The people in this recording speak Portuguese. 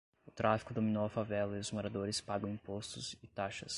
O tráfico dominou a favela e os moradores pagam impostos e taxas